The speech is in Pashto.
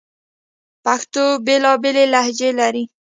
پښتو بیلابیلي لهجې لري